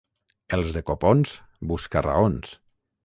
Els de Copons, busca-raons.